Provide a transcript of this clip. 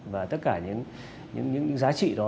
và tất cả những giá trị đó